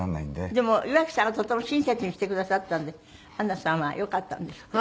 でも岩城さんがとても親切にしてくださったんでアンナさんはよかったんですって？